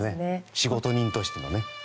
仕事人としてのね。